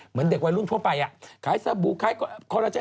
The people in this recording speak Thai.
เหมือนเด็กวัยรุ่นทั่วไปขายสบู่ขายคอลลาเจ